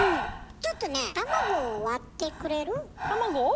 ちょっとね卵を割ってくれる？卵を？